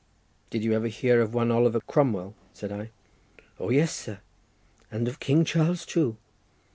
"Did you ever hear of one Oliver Cromwell?" said I. "O yes, sir, and of King Charles too.